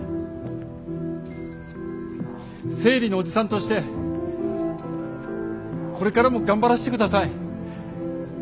生理のおじさんとしてこれからも頑張らせてください！